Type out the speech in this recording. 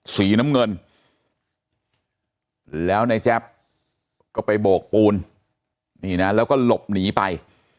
สีน้ำเงินแล้วในแจ๊บก็ไปโบกปูนนี่นะแล้วก็หลบหนีไป